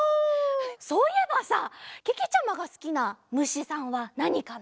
そういえばさけけちゃまがすきなむしさんはなにかな？